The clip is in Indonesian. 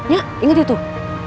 ya inget ya tuh